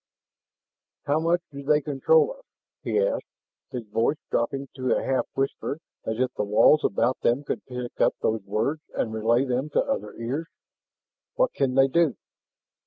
"How much do they control us?" he asked, his voice dropping to a half whisper as if the walls about them could pick up those words and relay them to other ears. "What can they do?"